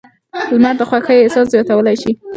لمر د خوښۍ احساس زیاتولی شي.